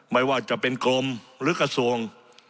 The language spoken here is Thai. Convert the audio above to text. ไม่ว่าจะเป็นกรมหรือกระทรวง